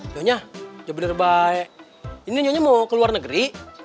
nyonya bener bener ini nyonya mau ke luar negeri